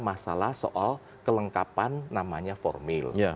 masalah soal kelengkapan namanya formil